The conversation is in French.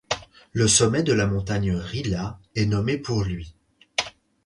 Le sommet de la montagne Rila est nommé pour lui.